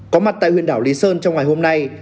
có mặt tại huyện đảo lý sơn trong ngày hôm nay